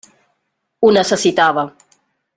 Ho necessitava.